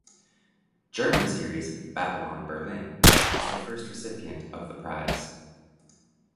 German series "Babylon Berlin" is the first recipient of the prize.